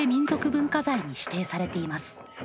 文化財に指定されています。